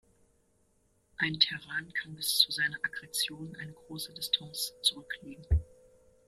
Ein Terran kann bis zu seiner Akkretion eine große Distanz zurücklegen.